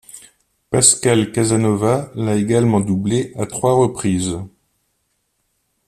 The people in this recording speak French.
Pascal Casanova l'a également doublé à trois reprises.